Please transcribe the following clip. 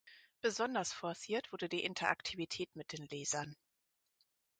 Besonders forciert wurde die Interaktivität mit den Lesern.